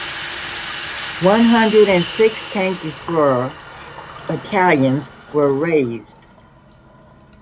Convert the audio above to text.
One hundred and six tank destroyer battalions were raised.